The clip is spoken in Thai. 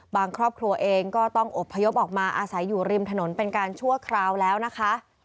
ครอบครัวเองก็ต้องอบพยพออกมาอาศัยอยู่ริมถนนเป็นการชั่วคราวแล้วนะคะ